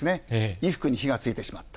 衣服に火がついてしまった。